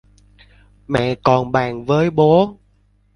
Mẹ còn bàn với bố